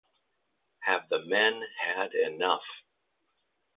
Have the Men Had Enough?